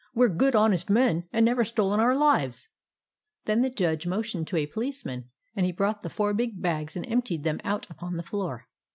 " We Ye good honest men, and never stole in our lives !" Then the Judge motioned to a policeman, and he brought the four big bags and emp tied them out upon the floor.